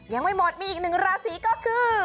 ยังไม่หมดมีอีกหนึ่งราศีก็คือ